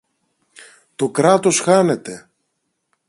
Το Κράτος χάνεται!